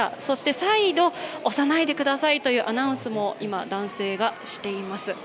再度押さないでくださいというアナウンスをしています。